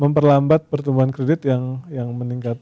memperlambat pertumbuhan kredit yang meningkat